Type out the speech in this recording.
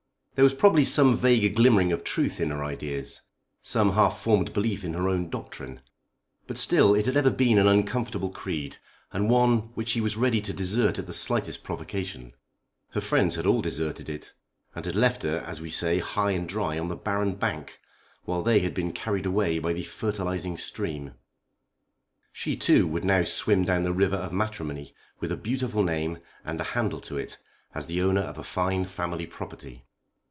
There was probably some vague glimmering of truth in her ideas; some half formed belief in her own doctrine. But still it had ever been an uncomfortable creed, and one which she was ready to desert at the slightest provocation. Her friends had all deserted it, and had left her as we say high and dry on the barren bank, while they had been carried away by the fertilising stream. She, too, would now swim down the river of matrimony with a beautiful name, and a handle to it, as the owner of a fine family property.